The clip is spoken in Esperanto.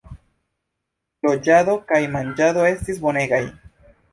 Loĝado kaj manĝado estis bonegaj.